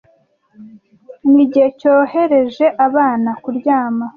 Nigihe cyohereje abana kuryama.